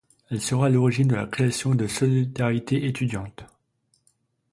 Elle sera à l'origine de la création de Solidarité Étudiante.